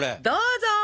どうぞ！